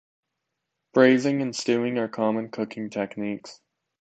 Braising and stewing are common cooking techniques.